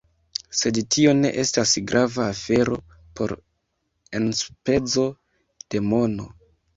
Sed tio ne estas grava afero por enspezo de mono